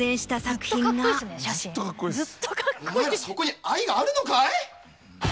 お前らそこに愛があるのかい？